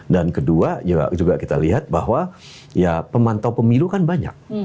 dan kedua juga kita lihat bahwa ya pemantau pemilu kan banyak